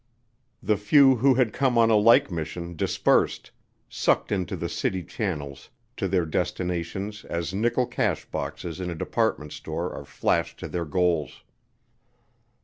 The few who had come on a like mission dispersed, sucked into the city channels to their destinations as nickel cash boxes in a department store are flashed to their goals.